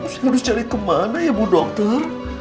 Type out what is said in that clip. saya harus cari kemana ya bu dokter